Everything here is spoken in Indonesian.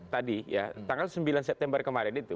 tadi ya tanggal sembilan september kemarin itu